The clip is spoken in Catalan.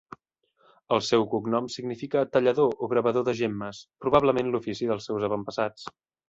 El seu cognom significa tallador o gravador de gemmes, probablement l'ofici dels seus avantpassats.